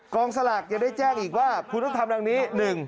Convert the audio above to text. สลากยังได้แจ้งอีกว่าคุณต้องทำดังนี้